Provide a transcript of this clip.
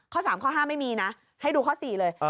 ๓ข้อ๕ไม่มีนะให้ดูข้อ๔เลย